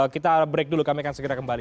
kita break dulu kami akan segera kembali